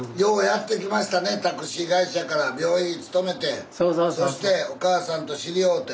タクシー会社から病院勤めてそしておかあさんと知り合うて。